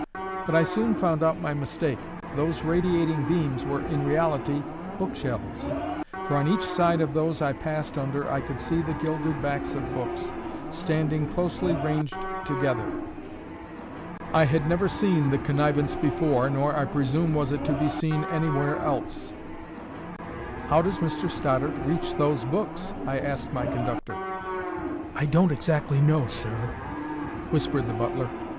But I soon found out my mistake. Those radiating beams were in reality book shelves. For on each side of those I passed under I could see the gilded backs of books standing closely ranged together. I had never seen the connivance before, nor, I presume, was it to be seen anywhere else. "How does Mr Stoddart reach those books?" I asked my conductor. "I don't exactly know, sir," whispered the butler.